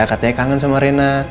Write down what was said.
katanya kangen sama reina